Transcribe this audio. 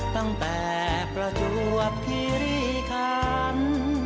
ตั้งแต่ประจวบคิริคัน